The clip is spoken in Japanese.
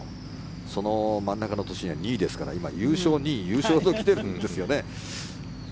その真ん中の年では２位ですから今、優勝、２位、優勝と来てるんですよね。